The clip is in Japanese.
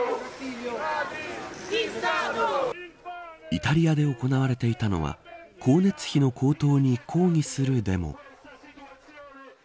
イタリアで行われていたのは光熱費の高騰に抗議するデモ。